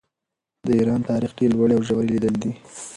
د ایران تاریخ ډېرې لوړې او ژورې لیدلې دي.